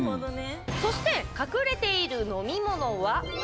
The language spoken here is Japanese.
そして、隠れている飲み物は。